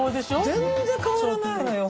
全然変わらないのよ